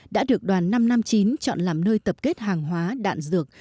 đã được đoàn năm trăm năm mươi chín chọn làm nơi tập kết hàng hóa đạn dược